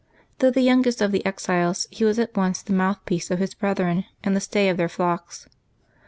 Though the youngest of the exiles, he was at once the mouthpiece of his brethren and the stay of their flocks.